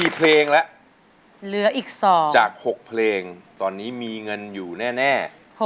๔เพลงแล้วจาก๖เพลงตอนนี้มีเงินอยู่แน่